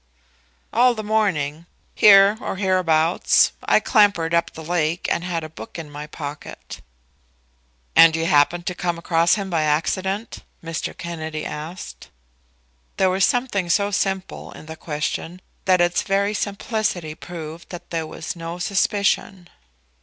"All the morning; here, or hereabouts. I clambered up from the lake and had a book in my pocket." "And you happened to come across him by accident?" Mr. Kennedy asked. There was something so simple in the question that its very simplicity proved that there was no suspicion.